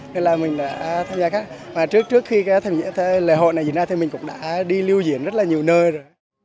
nên là mình đã tham gia các mà trước khi cái lễ hội này diễn ra thì mình cũng đã đi lưu diễn rất là nhiều nơi rồi